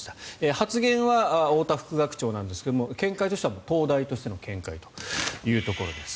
発言は太田副学長なんですが見解としては東大としての見解というところです。